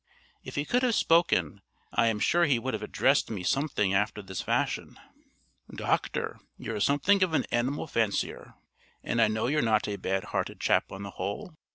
If he could have spoken, I am sure he would have addressed me something after this fashion: "Doctor, you're something of an animal fancier, and I know you're not a bad hearted chap on the whole.